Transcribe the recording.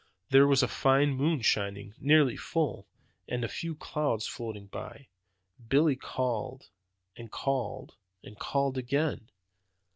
"There was a fine moon shining, nearly full, and a few clouds floating by. Billy called, and called, and called again.